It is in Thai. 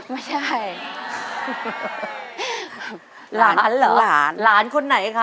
ไม่ใช่